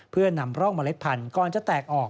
เพื่อนำร่องเมล็ดพันธุ์ก่อนจะแตกออก